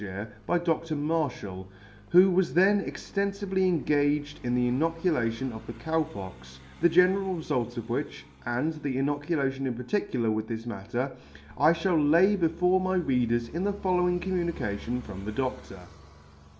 fhire [ >52 ] Hi i re to Dr. Marlhall, who was then extenfively engaged in the inoculation of the Cow Pox, the general refult of which, and of the inoculation in particular with this matter, I fhall lay before my Readers in the following communication from the Dodtor.